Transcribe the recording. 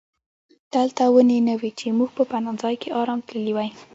دلته ونې نه وې چې موږ په پناه ځای کې آرام تللي وای.